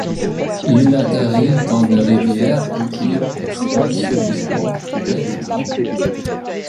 Il atterrit dans la rivière où il explose suffisamment loin du pont.